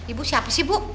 ibu siapa sih bu